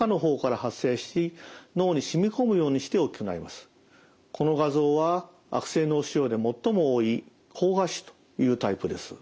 良性と違ってこの画像は悪性脳腫瘍で最も多い膠芽腫というタイプです。